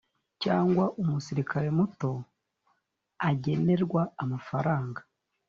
cyangwa umusirikare muto agenerwa amafaranga